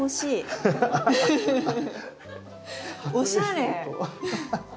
おしゃれ！